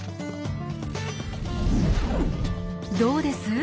どうです？